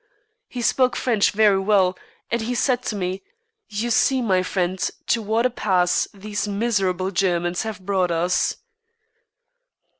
He spoke French very well and he said to me, 'You see, my friend, to what a pass these miserable Germans have brought us!'"